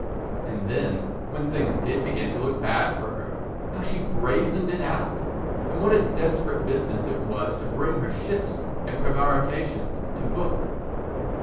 And then when things did begin to look bad for her, how she brazened it out, and what a desperate business it was to bring her shifts and prevarications to book!